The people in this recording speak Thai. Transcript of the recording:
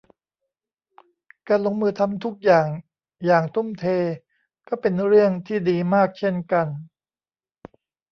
การลงมือทำทุกอย่างอย่างทุ่มเทก็เป็นเรื่องที่ดีมากเช่นกัน